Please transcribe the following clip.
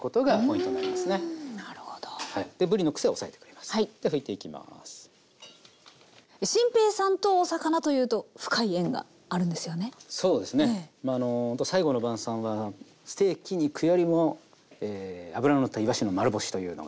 まあ最後の晩さんはステーキ肉よりもえ脂ののったいわしの丸干しというのが。